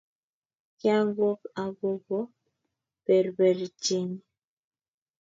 kiagwok ako bo berberchenyin